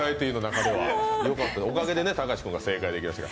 おかげで高橋君が正解できました。